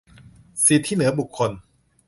สิทธิเหนือบุคคล